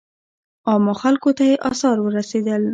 عامو خلکو ته یې آثار ورسېدل.